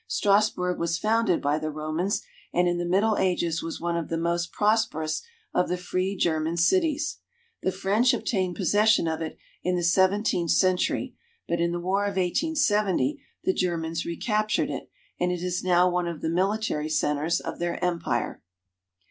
Strassburg was founded by the Romans, and in the middle ages was one of the most prosperous of the free German cities. The French obtained possession of it in the seventeenth cen tury, but in the war of 1870 the Germans recaptured it, and it is now one of the military centers of their empire.